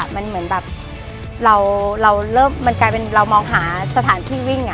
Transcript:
มันเหมือนแบบเรามองหาสถานที่วิ่ง